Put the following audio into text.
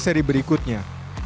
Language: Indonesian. dengan seri seri berikutnya